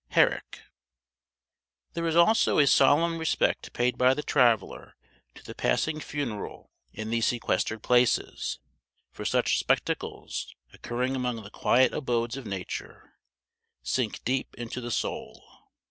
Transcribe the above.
HERRICK. There is also a solemn respect paid by the traveller to the passing funeral in these sequestered places; for such spectacles, occurring among the quiet abodes of Nature, sink deep into the soul.